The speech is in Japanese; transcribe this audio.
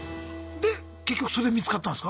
で結局それで見つかったんすか？